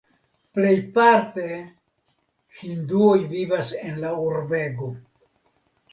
Plejparte hinduoj vivas en la urbego.